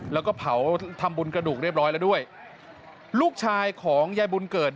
แล้วก็เผาทำบุญกระดูกเรียบร้อยแล้วด้วยลูกชายของยายบุญเกิด